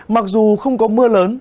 mặc dù không có mưa lớn